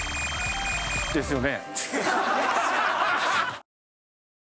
ですよね？